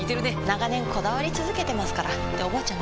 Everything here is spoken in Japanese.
長年こだわり続けてますからっておばあちゃん